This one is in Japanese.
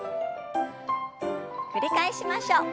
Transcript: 繰り返しましょう。